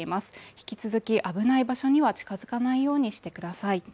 引き続き危ない場所には近づかないようにしてください。